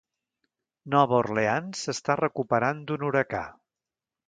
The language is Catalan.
Nova Orleans s'està recuperant d'un huracà.